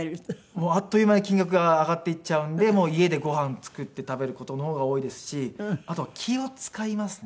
もうあっという間に金額が上がっていっちゃうんで家でご飯を作って食べる事の方が多いですしあとは気を使いますね。